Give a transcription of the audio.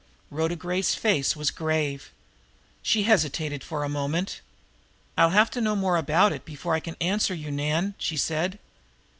Rhoda Gray's face was grave. She hesitated for a moment. "I'll have to know more than that before I can answer you, Nan," she said.